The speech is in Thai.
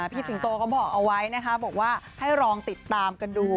สิงโตก็บอกเอาไว้นะคะบอกว่าให้ลองติดตามกันดู